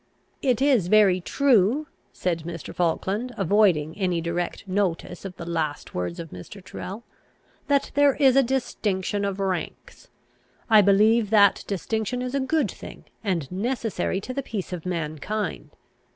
"It is very true," said Mr. Falkland, avoiding any direct notice of the last words of Mr. Tyrrel, "that there is a distinction of ranks. I believe that distinction is a good thing, and necessary to the peace of mankind.